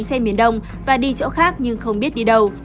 nghĩa đã xuống xe miền đông và đi chỗ khác nhưng không biết đi đâu